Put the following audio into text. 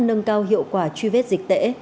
nâng cao hiệu quả truy vết dịch tễ